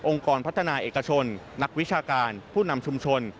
กรพัฒนาเอกชนนักวิชาการผู้นำชุมชน